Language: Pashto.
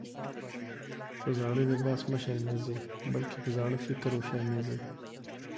په زاړه لباس مه شرمېږئ! بلکي په زاړه فکر وشرمېږئ.